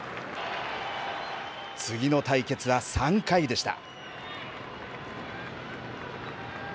次の対決は３回でした。